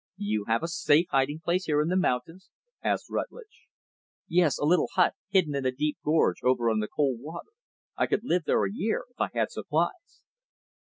"You have a safe hiding place here in the mountains?" asked Rutlidge. "Yes; a little hut, hidden in a deep gorge, over on the Cold Water. I could live there a year if I had supplies."